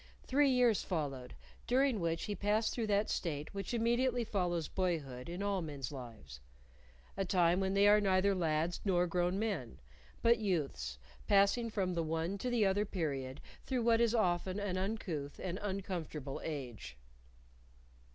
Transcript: Three years followed, during which he passed through that state which immediately follows boyhood in all men's lives a time when they are neither lads nor grown men, but youths passing from the one to the other period through what is often an uncouth and uncomfortable age.